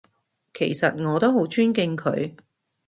其實我都好尊敬佢